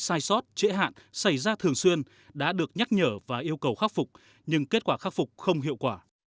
sai sót trễ hạn xảy ra thường xuyên đã được nhắc nhở và yêu cầu khắc phục nhưng kết quả khắc phục không hiệu quả